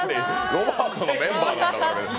ロバートのメンバーなんだから！